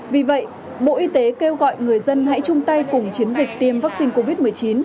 vì vậy bộ y tế kêu gọi người dân hãy chung tay cùng chiến dịch tiêm vaccine covid một mươi chín